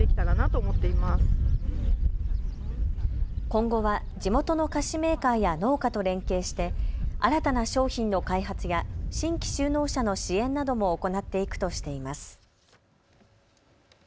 今後は地元の菓子メーカーや農家と連携して新たな商品の開発や新規就農者の支援なども行っていくとしています。